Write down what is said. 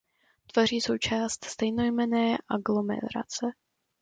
Tvoří součást stejnojmenné aglomerace.